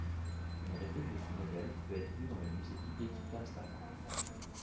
Une réplique de ce modèle peut être vue dans le Musée biblique d'Amsterdam.